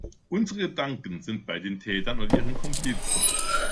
Unsere Gedanken sind bei den Tätern und ihren Komplizen.